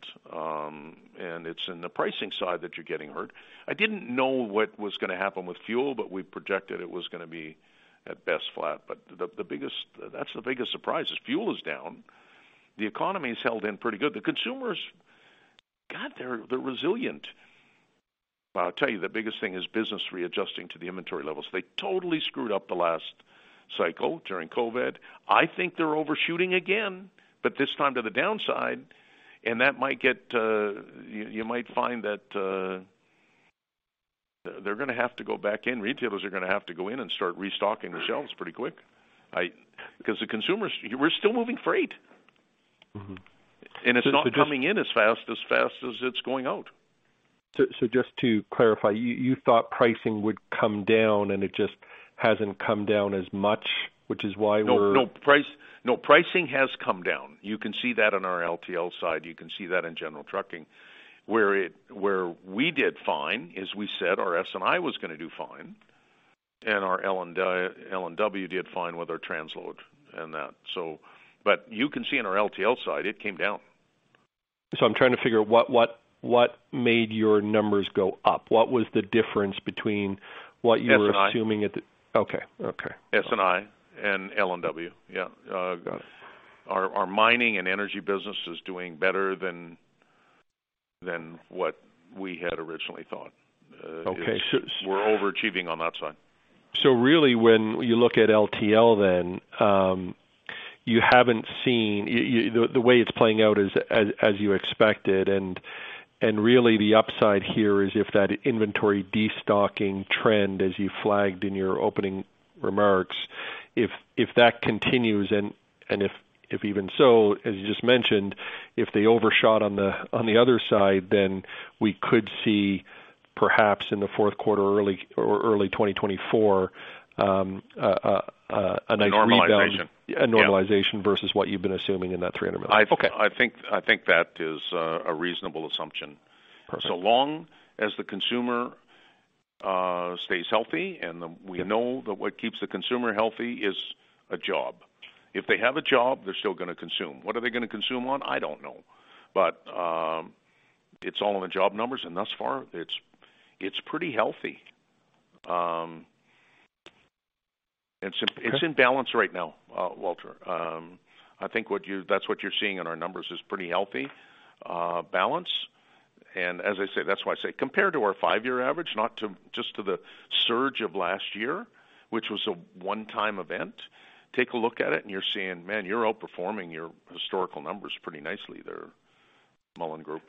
It's in the pricing side that you're getting hurt. I didn't know what was gonna happen with fuel, we projected it was gonna be, at best, flat. The biggest surprise is fuel is down. The economy's held in pretty good. The consumers, God, they're resilient. I'll tell you, the biggest thing is business readjusting to the inventory levels. They totally screwed up the last cycle during COVID. I think they're overshooting again, this time to the downside, that might get... You might find that they're gonna have to go back in. Retailers are gonna have to go in and start restocking their shelves pretty quick. because the consumers, we're still moving freight. It's not coming in as fast, as fast as it's going out. just to clarify, you thought pricing would come down, and it just hasn't come down as much, which is why we're- No, pricing has come down. You can see that on our LTL side. You can see that in general trucking. Where we did fine, as we said, our S&I was gonna do fine, and our L&W did fine with our transload and that. You can see in our LTL side, it came down. I'm trying to figure out what made your numbers go up? What was the difference between what you were- S&I. Okay. S&I and L&W. Yeah. Got it. Our mining and energy business is doing better than what we had originally thought. Okay. We're overachieving on that side. Really, when you look at LTL then, you haven't seen the way it's playing out as you expected, and really the upside here is if that inventory destocking trend, as you flagged in your opening remarks, if that continues, and if even so, as you just mentioned, if they overshot on the, on the other side, then we could see, perhaps in the fourth quarter, early, or early 2024, a nice rebound. Normalization. A normalization- Yeah. versus what you've been assuming in that 300 million. Okay. I think that is a reasonable assumption. Perfect. So long as the consumer stays healthy, and. Yeah. -we know that what keeps the consumer healthy is a job. If they have a job, they're still gonna consume. What are they gonna consume on? I don't know. But, it's all in the job numbers, and thus far, it's pretty healthy. It's in- Okay It's in balance right now, Walter. I think that's what you're seeing in our numbers, is pretty healthy balance. As I say, that's why I say, compared to our five-year average, just to the surge of last year, which was a one-time event, take a look at it and you're seeing, man, you're outperforming your historical numbers pretty nicely there, Mullen Group.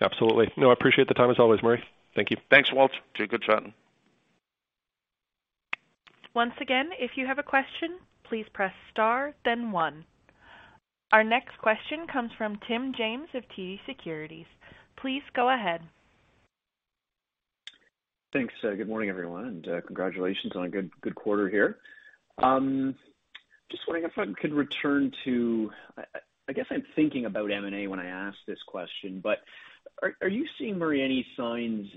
Absolutely. No, I appreciate the time, as always, Murray. Thank you. Thanks, Walter. Good chatting. Once again, if you have a question, please press star then one. Our next question comes from Tim James of TD Securities. Please go ahead. Thanks. Good morning, everyone, and congratulations on a good quarter here. Just wondering if I could return to... I guess I'm thinking about M&A when I ask this question, are you seeing, Murray, any signs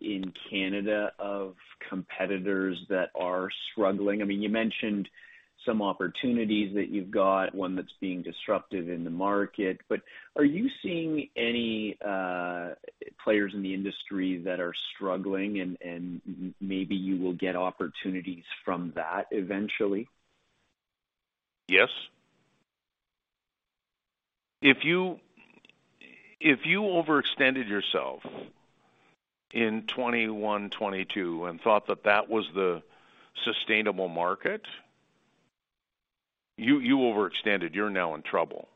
in Canada, of competitors that are struggling? I mean, you mentioned some opportunities that you've got, one that's being disruptive in the market. Are you seeing any players in the industry that are struggling, and maybe you will get opportunities from that eventually? Yes. If you overextended yourself in 2021, 2022, and thought that that was the sustainable market, you overextended, you're now in trouble.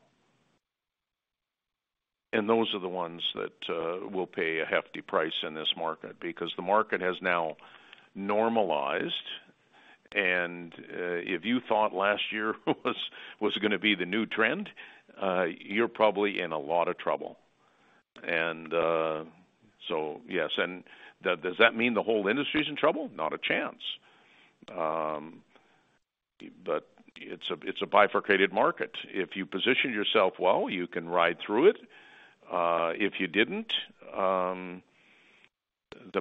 Those are the ones that will pay a hefty price in this market, because the market has now normalized. If you thought last year was gonna be the new trend, you're probably in a lot of trouble. Yes, and does that mean the whole industry is in trouble? Not a chance. It's a, it's a bifurcated market. If you positioned yourself well, you can ride through it. If you didn't, the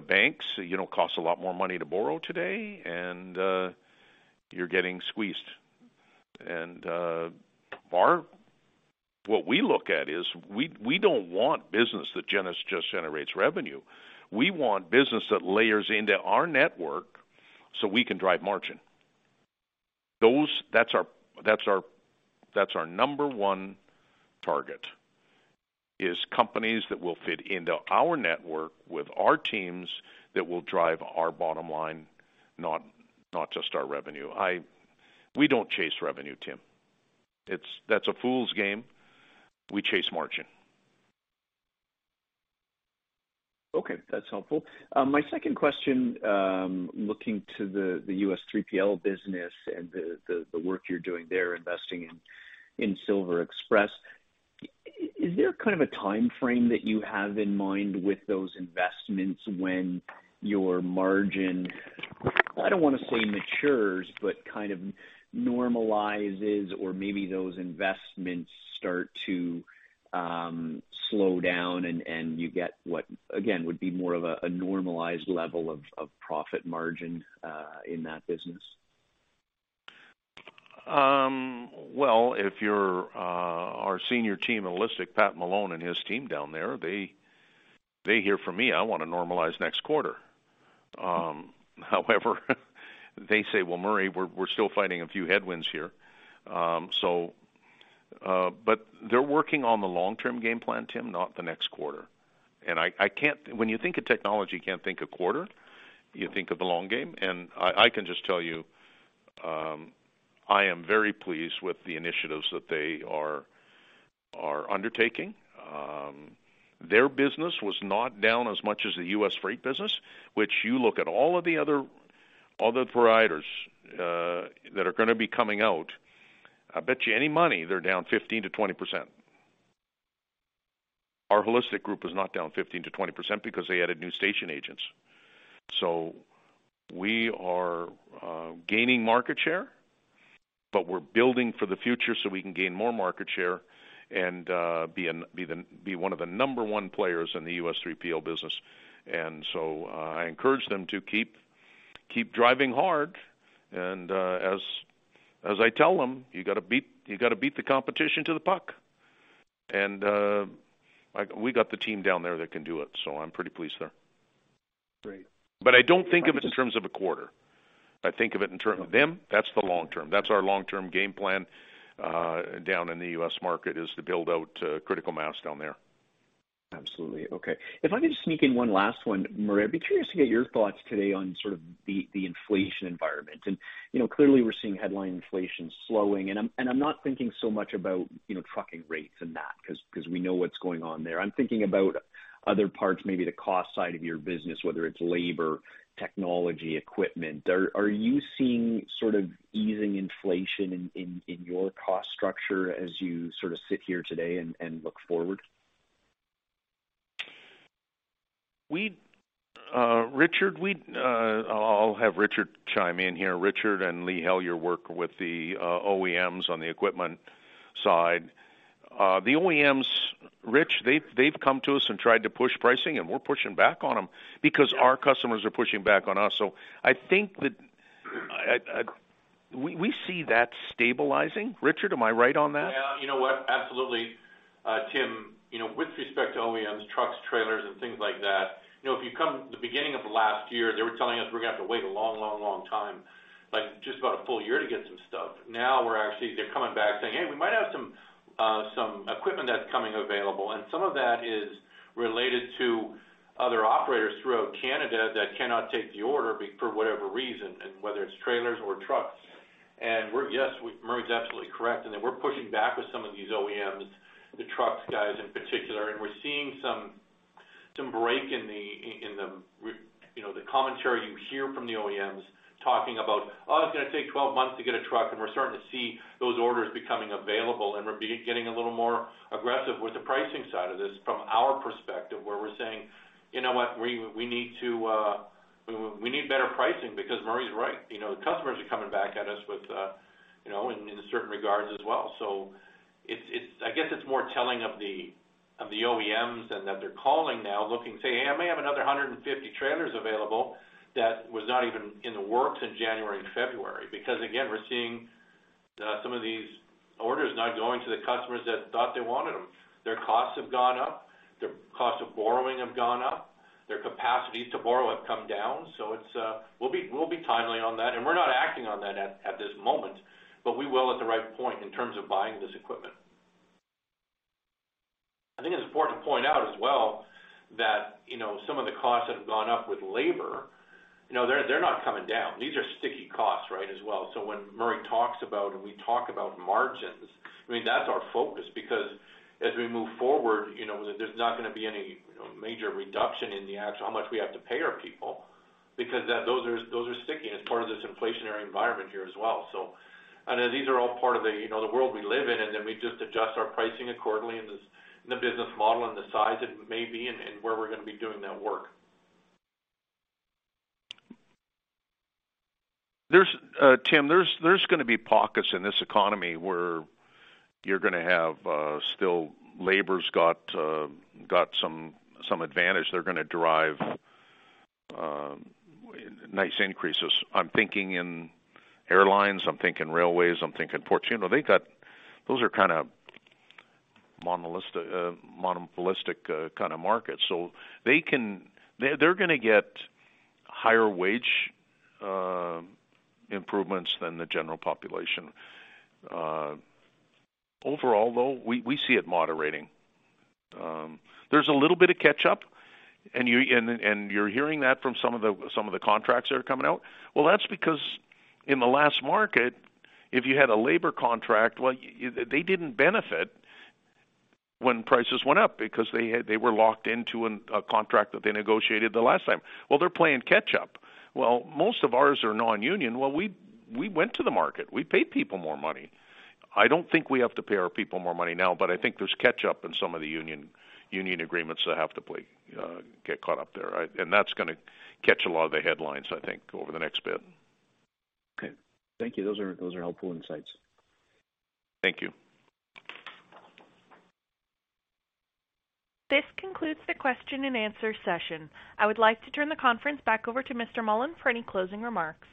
banks, you know, cost a lot more money to borrow today, and you're getting squeezed. What we look at is, we don't want business that just generates revenue. We want business that layers into our network, so we can drive margin. That's our number one target, is companies that will fit into our network with our teams, that will drive our bottom line, not just our revenue. We don't chase revenue, Tim. That's a fool's game. We chase margin. Okay, that's helpful. My second question, looking to the U.S. 3PL business and the work you're doing there, investing in SilverExpress. Is there kind of a timeframe that you have in mind with those investments when your margin, I don't want to say matures, but kind of normalizes, or maybe those investments start to slow down and you get what, again, would be more of a normalized level of profit margin in that business? Well, if you're our senior team at Holistic, Pat Malone and his team down there, they hear from me. I want to normalize next quarter. However, they say, "Well, Murray, we're still fighting a few headwinds here." But they're working on the long-term game plan, Tim, not the next quarter. I can't. When you think of technology, you can't think of quarter, you think of the long game. I can just tell you, I am very pleased with the initiatives that they are undertaking. Their business was not down as much as the U.S. freight business, which you look at all of the other providers that are gonna be coming out, I bet you any money, they're down 15% to 20%. Our Holistic is not down 15% to 20% because they added new station agents. We are gaining market share, but we're building for the future so we can gain more market share and be one of the number 1 players in the U.S. 3PL business. I encourage them to keep driving hard, and as I tell them, "You gotta beat the competition to the puck." We got the team down there that can do it, so I'm pretty pleased there. Great. I don't think of it in terms of a quarter. I think of it in terms of them, that's the long term. That's our long-term game plan, down in the U.S. market, is to build out, critical mass down there. Absolutely. Okay. If I could just sneak in one last one, Murray, I'd be curious to get your thoughts today on sort of the inflation environment. You know, clearly we're seeing headline inflation slowing, and I'm not thinking so much about, you know, trucking rates and that, 'cause we know what's going on there. I'm thinking about other parts, maybe the cost side of your business, whether it's labor, technology, equipment. Are you seeing sort of easing inflation in your cost structure as you sort of sit here today and look forward? We, Richard, I'll have Richard chime in here. Richard and Lee Hellyer work with the OEMs on the equipment side. The OEMs, Rich, they've come to us and tried to push pricing, and we're pushing back on them because our customers are pushing back on us. I think that we see that stabilizing. Richard, am I right on that? Yeah, you know what? Absolutely. Tim, you know, with respect to OEMs, trucks, trailers, and things like that, you know, if you come the beginning of last year, they were telling us we're gonna have to wait a long, long, long time, like just about a full year, to get some stuff. Now, they're coming back saying, "Hey, we might have some equipment that's coming available." Some of that is related to other operators throughout Canada that cannot take the order for whatever reason, and whether it's trailers or trucks. Yes, Murray's absolutely correct. Then we're pushing back with some of these OEMs, the trucks guys in particular. We're seeing some break in the, you know, the commentary you hear from the OEMs talking about, "Oh, it's gonna take 12 months to get a truck," and we're starting to see those orders becoming available. We're getting a little more aggressive with the pricing side of this from our perspective, where we're saying: You know what? We need to, we need better pricing. Murray's right, you know, the customers are coming back at us with, you know, in certain regards as well. I guess it's more telling of the OEMs and that they're calling now, looking, saying, "Hey, I may have another 150 trailers available" that was not even in the works in January and February. Again, we're seeing some of these. orders not going to the customers that thought they wanted them. Their costs have gone up, their costs of borrowing have gone up, their capacities to borrow have come down. It's, we'll be timely on that, and we're not acting on that at this moment, but we will at the right point in terms of buying this equipment. I think it's important to point out as well, that, you know, some of the costs that have gone up with labor, you know, they're not coming down. These are sticky costs, right, as well. When Murray talks about, and we talk about margins, I mean, that's our focus, because as we move forward, you know, there's not gonna be any major reduction in the actual how much we have to pay our people, because those are, those are sticky as part of this inflationary environment here as well. I know these are all part of the, you know, the world we live in, and then we just adjust our pricing accordingly in the business model and the size it may be and where we're gonna be doing that work. There's Tim, there's gonna be pockets in this economy where you're gonna have. Still, labor's got some advantage. They're gonna drive nice increases. I'm thinking in airlines, I'm thinking railways, I'm thinking ports. You know, those are kind of monopolistic kind of markets. They're gonna get higher wage improvements than the general population. Overall, though, we see it moderating. There's a little bit of catch up, and you're hearing that from some of the contracts that are coming out. That's because in the last market, if you had a labor contract, well, they didn't benefit when prices went up because they were locked into a contract that they negotiated the last time. They're playing catch up. Well, most of ours are non-union. We went to the market. We paid people more money. I don't think we have to pay our people more money now, but I think there's catch up in some of the union agreements that have to play, get caught up there, right? That's gonna catch a lot of the headlines, I think, over the next bit. Okay. Thank you. Those are helpful insights. Thank you. This concludes the question and answer session. I would like to turn the conference back over to Mr. Mullen for any closing remarks.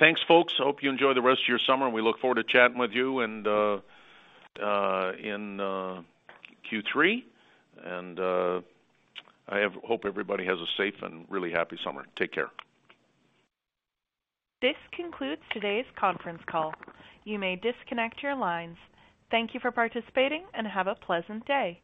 Thanks, folks. Hope you enjoy the rest of your summer. We look forward to chatting with you in Q3. Hope everybody has a safe and really happy summer. Take care. This concludes today's conference call. You may disconnect your lines. Thank you for participating and have a pleasant day.